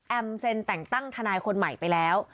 เซ็นแต่งตั้งทนายคนใหม่ไปแล้ว